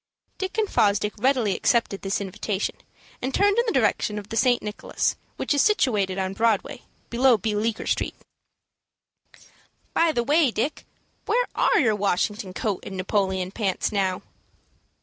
Dick and Fosdick readily accepted this invitation, and turned in the direction of the St. Nicholas, which is situated on Broadway, below Bleecker Street. "By the way, Dick, where are your Washington coat and Napoleon pants now?"